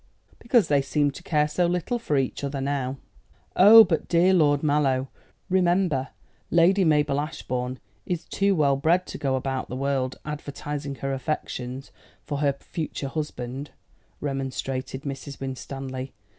"Because they seem to care so little for each other now." "Oh but, dear Lord Mallow, remember Lady Mabel Ashbourne is too well bred to go about the world advertising her affection for her future husband," remonstrated Mrs. Winstanley.